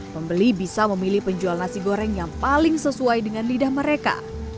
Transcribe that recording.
pembeli bisa memilih penjual nasi goreng yang paling sesuai dengan lidah mereka